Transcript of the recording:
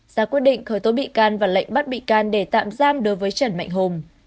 ra quyết định khởi tố bị can và lệnh bắt bị can để tạm giam đối với trần mạnh hùng